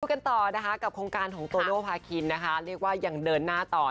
พบกันต่อกับโครงการของโตโนพาคินเรียกว่าอย่างเดินหน้าต่อ